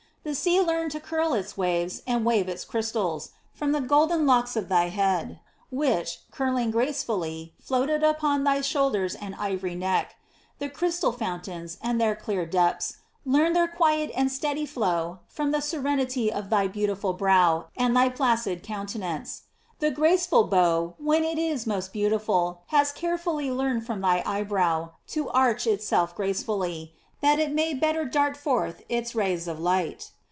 The sea learned to curl its waves, and wave its crystals, from the golden locks of thy head, which, curl ing gracefully, flo ated upon thy shoulders and GLORIES OF MABY. 787 ivory neck. The crystal fountains, and their clear depths, learned their quiefc and steady flow from the serenity of thy beautiful brow and thy placid countenance. The graceful bow, when it is most beautiful, has carefully learned from thy eyebrow to arch itself gracefully, that it may better dart forth its rays of light.